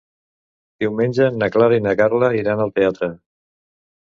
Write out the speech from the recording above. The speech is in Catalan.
Diumenge na Clara i na Carla iran al teatre.